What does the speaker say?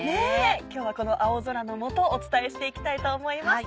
今日はこの青空の下お伝えしていきたいと思います。